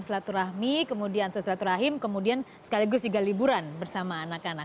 silaturahmi kemudian sesilaturahim kemudian sekaligus juga liburan bersama anak anak